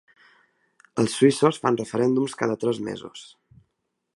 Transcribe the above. Els suïssos fan referèndums cada tres mesos.